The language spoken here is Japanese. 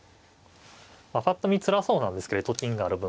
ぱっと見つらそうなんですけどと金がある分。